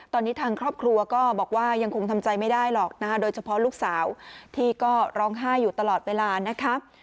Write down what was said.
ตอนนี้ทางครอบครัวก็บอกว่ายังคงทำใจไม่ได้หรอกนะคะโดยเฉพาะลูกสาวที่ก็ร้องไห้อยู่ตลอดเวลานะครับ